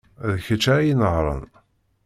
D kečč ara inehṛen.